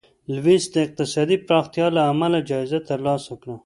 لویس د اقتصادي پراختیا له امله جایزه ترلاسه کړه.